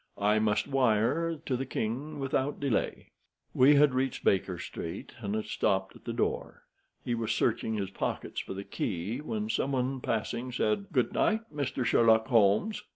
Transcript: I must wire to the king without delay." We had reached Baker Street, and had stopped at the door. He was searching his pockets for the key, when some one passing said: "Good night, Mister Sherlock Holmes."